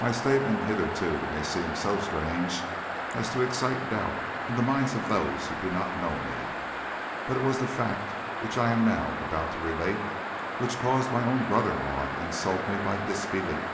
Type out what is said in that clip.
My statement hitherto may seem so strange as to excite doubt in the minds of those who do not know me, but it was the fact which I am now about to relate which caused my own brother in law to insult me by disbelief.